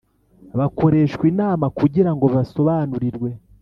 Bakoreshwa inama kugira ngo basobanurirwe